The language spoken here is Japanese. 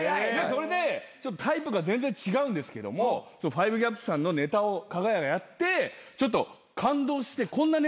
それでタイプが全然違うんですけども５ＧＡＰさんのネタをかが屋がやってちょっと感動してこんなネタの作り方あるんだみたいな感じで。